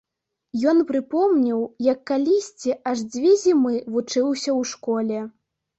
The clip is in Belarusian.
Ён прыпомніў, як калісьці аж дзве зімы вучыўся ў школе.